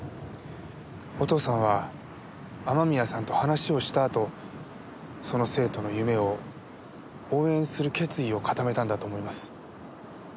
お父さんは雨宮さんと話をしたあとその生徒の夢を応援する決意を固めたんだと思います。